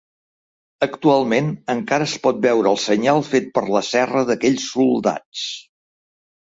Actualment encara es pot veure el senyal fet per la serra d'aquells soldats.